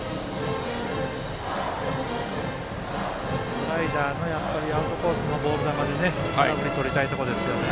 スライダーのアウトコースのボール球で空振りを取りたいところですね。